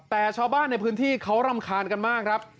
แต่ชาวบ้านในพื้นที่เขารำคาญกันมากครับ